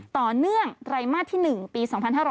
ต่อเนื่องไตรมาสที่๑ปี๒๕๖๕